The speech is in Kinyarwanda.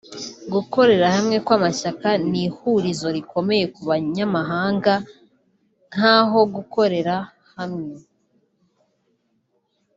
Gukorera hamwe kw’amashyaka ni ihurizo rikomeye ku banyamahanga nk’aho gukorera hamwe